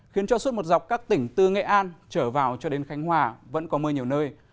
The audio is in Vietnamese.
khiến cho suốt một dọc các tỉnh từ nghệ an trở vào cho đến khánh hòa vẫn có mưa nhiều nơi